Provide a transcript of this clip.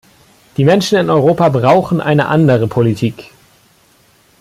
Die Menschen in Europa brauchen eine andere Politik.